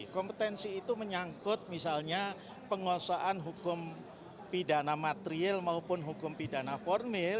kompetensi itu menyangkut misalnya penguasaan hukum pidana material maupun hukum pidana formil